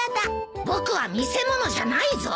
僕は見せ物じゃないぞ！